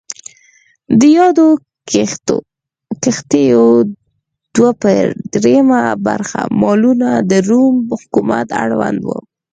د یادو کښتیو دوه پر درېیمه برخه مالونه د روم حکومت اړوند و.